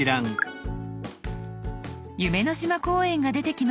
「夢の島公園」が出てきました。